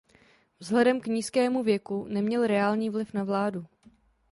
Vzhledem k nízkému věku neměl reálný vliv na vládu.